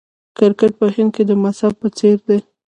کرکټ په هند کې د مذهب په څیر دی.